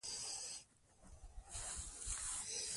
د هغه د شان سره دا لائق دي چې صفتونه دي ورله وکړل شي